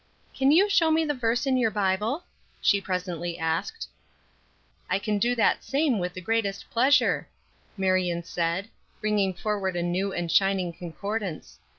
"Can you show me the verse in your Bible?" she presently asked. "I can do that same with the greatest pleasure," Marion said, bringing forward a new and shining concordance.